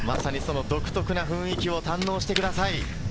独特な雰囲気を堪能してください。